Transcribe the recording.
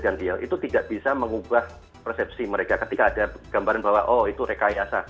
itu tidak bisa mengubah persepsi mereka ketika ada gambaran bahwa oh itu rekayasa